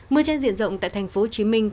mưa trên diện rộng tại tp hcm